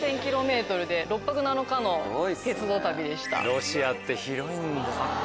ロシアって広いんだよ。